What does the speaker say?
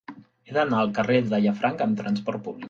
He d'anar al carrer de Llafranc amb trasport públic.